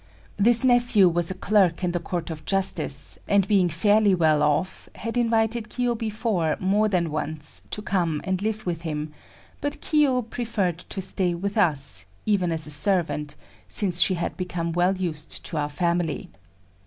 This nephew was a clerk in the Court of Justice, and being fairly well off, had invited Kiyo before more than once to come and live with him, but Kiyo preferred to stay with us, even as a servant, since she had become well used to our family.